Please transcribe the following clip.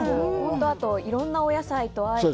いろいろなお野菜とあえて。